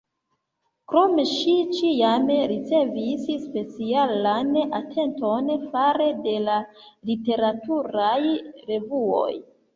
Krome, ŝi ĉiam ricevis specialan atenton fare de la literaturaj revuoj.